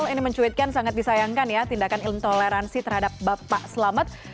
ini mencuitkan sangat disayangkan ya tindakan intoleransi terhadap bapak selamat